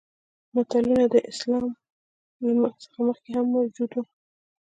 متلونه د اسلام څخه مخکې هم موجود وو